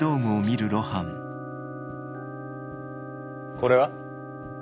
これは？